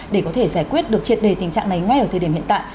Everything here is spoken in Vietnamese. để có thể giải quyết được triệt đề tình trạng này ngay ở thời điểm hiện tại